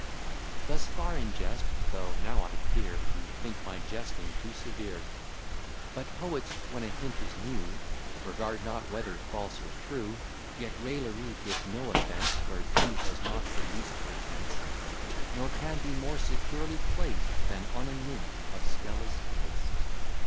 Thus far in jest: though now, I fear, You think my jesting too severe; But poets, when a hint is new, Regard not whether false or true: Yet raillery gives no offence, Where truth has not the least pretence; Nor can be more securely placed Than on a nymph of Stella's taste.